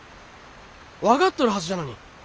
分かっとるはずじゃのに。